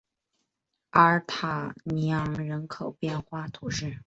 阿尔塔尼昂人口变化图示